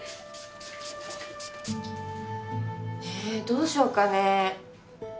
ねえどうしようかね？